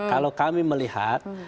kalau kami melihat